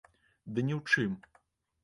Ды не ў чым!